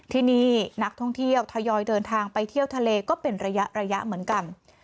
ที่นี่นักท่องเที่ยวทยอยเดินทางไปเที่ยวทะเลก็เป็นระยะเหมือนกัน